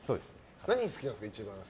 何が好きなんですか？